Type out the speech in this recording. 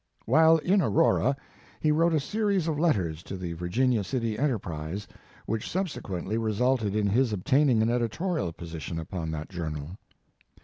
While in Aurora he wrote a series of letters to the Vir ginia City Enterprise, which subsequently resulted in his obtaining an editorial position upon that journal.